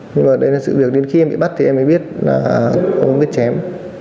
nhưng mà đấy là sự việc đến khi em bị bắt thì em mới biết là không biết chém